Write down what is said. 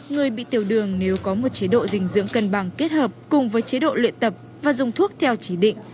người bị tiểu đường nếu có một chế độ dinh dưỡng cân bằng kết hợp cùng với chế độ luyện tập và dùng thuốc theo chỉ định